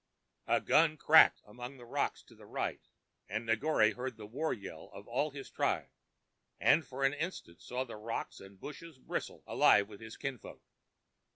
A gun cracked among the rocks to the right, and Negore heard the war yell of all his tribe, and for an instant saw the rocks and bushes bristle alive with his kinfolk.